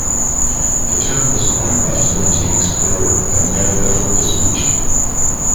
The term was coined by Florentine explorer Amerigo Vespucci.